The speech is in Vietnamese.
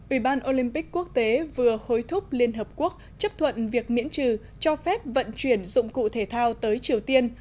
ủy ban olympic quốc tế vừa hối thúc liên hợp quốc chấp thuận việc miễn trừ cho phép vận chuyển dụng cụ thể thao tới triều tiên